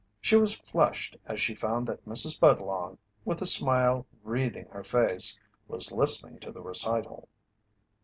She flushed as she found that Mrs. Budlong, with a smile wreathing her face, was listening to the recital.